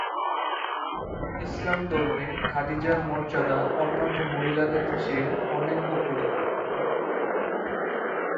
ইসলাম ধর্মে খাদিজার মর্যাদা অন্যান্য মহিলাদের চেয়ে অনেক উপরে।